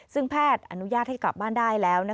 ซึ่งแพทย์อนุญาตให้กลับบ้านได้แล้ว